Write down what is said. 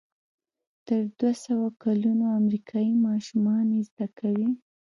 تر دوهسوه کلونو امریکایي ماشومان یې زده کوي.